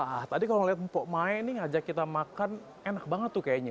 ah tadi kalau ngeliat mpok mae ini ngajak kita makan enak banget tuh kayaknya